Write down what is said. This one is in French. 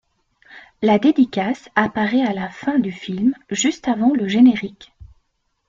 La dédicace apparaît à la fin du film, juste avant le générique.